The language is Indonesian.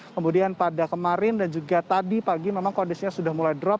kemudian pada kemarin dan juga tadi pagi memang kondisinya sudah mulai drop